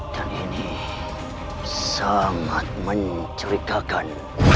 dan ini sangat menceritakan